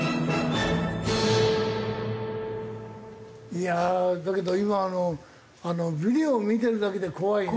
いやあだけど今のビデオ見てるだけで怖いね。